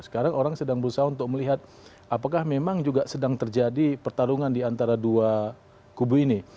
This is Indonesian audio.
sekarang orang sedang berusaha untuk melihat apakah memang juga sedang terjadi pertarungan di antara dua kubu ini